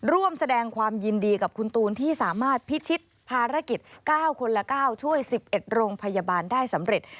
ร่วมแสดงความยินดีกับคุณตูนที่สามารถพิชิตภารกิจ๙คนละ๙ช่วย๑๑โรงพยาบาลได้สำเร็จ